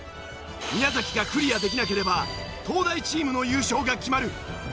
宮崎がクリアできなければ東大チームの優勝が決まる。